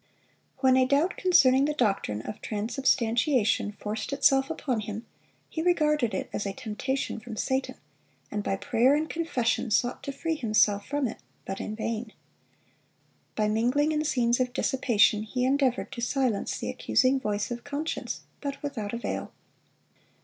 When a doubt concerning the doctrine of transubstantiation forced itself upon him, he regarded it as a temptation from Satan, and by prayer and confession sought to free himself from it; but in vain. By mingling in scenes of dissipation he endeavored to silence the accusing voice of conscience; but without avail.